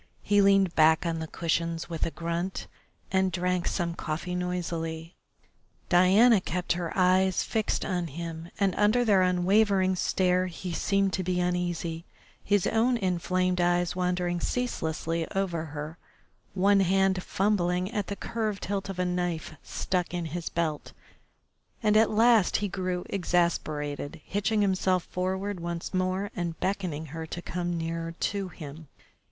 He leaned back on the cushions with a grunt, and drank some coffee noisily. Diana kept her eyes fixed on him, and under their unwavering stare he seemed to be uneasy, his own inflamed eyes wandering ceaselessly over her, one hand fumbling at the curved hilt of a knife stuck in his belt, and at last he grew exasperated, hitching himself forward once more and beckoning her to come nearer to him.